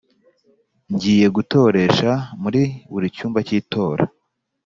ngiye gutoresha muri buri cyumba cy itora